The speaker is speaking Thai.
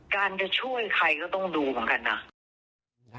การจะช่วยใครก็ต้องดูเหมือนกันนะ